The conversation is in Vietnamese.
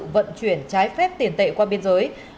vận chuyển trái phép tiền tệ qua biên giới